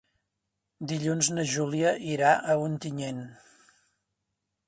Dilluns na Júlia irà a Ontinyent.